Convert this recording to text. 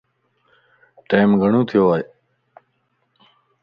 ٽيم گھڙو ٿيو ائي.